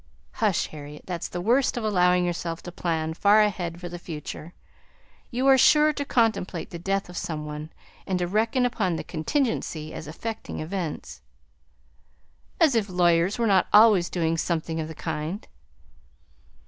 "Hush, Harriet, that's the worst of allowing yourself to plan far ahead for the future; you are sure to contemplate the death of some one, and to reckon upon the contingency as affecting events." "As if lawyers were not always doing something of the kind!"